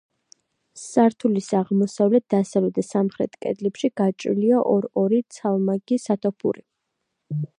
სართულის აღმოსავლეთ, დასავლეთ და სამხრეთ კედლებში გაჭრილია ორ-ორი ცალმაგი სათოფური.